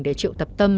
để triệu tập tâm